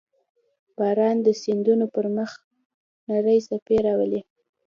• باران د سیندونو پر مخ نرۍ څپې راوړي.